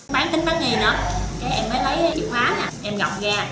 bán tính bắt nhìn đó em mới lấy chìa khóa nè em gọng ra